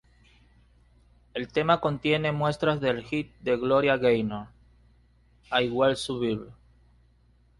El tema contiene muestras del hit de Gloria Gaynor 'I will Survive'.